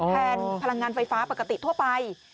พลังงานไฟฟ้าปกติทั่วไป